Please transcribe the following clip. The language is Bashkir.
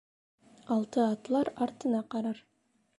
Алты атлар, артына ҡарар.